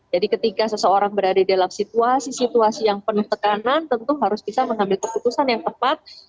jadi ketika seseorang berada dalam situasi situasi yang penuh tekanan tentu harus bisa mengambil keputusan yang tepat